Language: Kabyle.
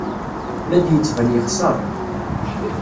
La d-yettban yexṣer.